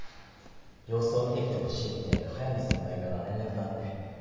様子を見てきてほしいって速見先輩から連絡があって。